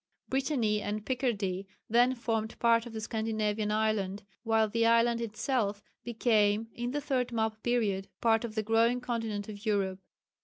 Brittany and Picardy then formed part of the Scandinavian island, while the island itself became in the third map period part of the growing continent of Europe.